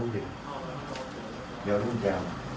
เดี๋ยวนั่นจะ